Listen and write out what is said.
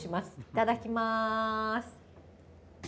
いただきます。